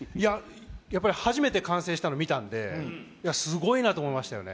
やっぱり、初めて完成したのを見たんで、いや、すごいなと思いましたね。